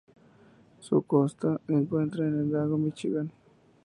Su costa se encuentra en el lago Míchigan.